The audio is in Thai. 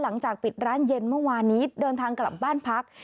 หลังจากปิดร้านเย็นเมื่อวานนี้เดินทางกลับบ้านพัก